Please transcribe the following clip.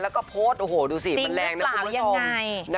แล้วก็โพสต์โอ้โหดูสิมันแรงนะคุณผู้ชมจริงหรือเปล่ายังไง